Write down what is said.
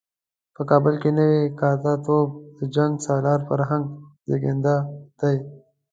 په کابل کې نوی کاکه توب د جنګ سالار فرهنګ زېږنده دی.